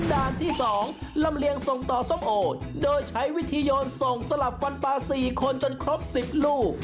ด้านที่๒ลำเลียงส่งต่อส้มโอโดยใช้วิธีโยนส่งสลับฟันปลา๔คนจนครบ๑๐ลูก